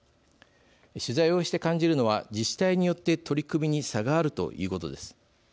取材をして感じるのは自治体によって取り組みに差があるということです。